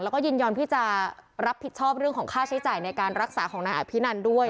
แล้วก็ยินยอมที่จะรับผิดชอบเรื่องของค่าใช้จ่ายในการรักษาของนายอภินันด้วย